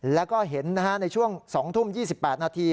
แล้วก็เห็นในช่วง๒ทุ่ม๒๘นาที